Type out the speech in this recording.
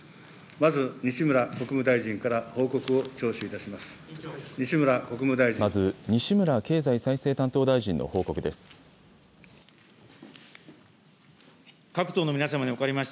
まず西村国務大臣から報告を聴取いたします。